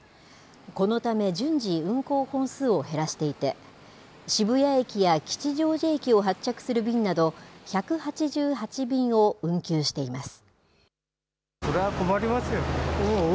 このため順次、運行本数を減らしていて、渋谷駅や吉祥寺駅を発着する便など、１８８便を運休しています。